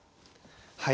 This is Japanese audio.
はい。